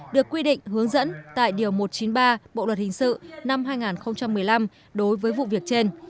được quy định hướng dẫn tại điều một trăm chín mươi ba bộ luật hình sự năm hai nghìn một mươi năm đối với vụ việc trên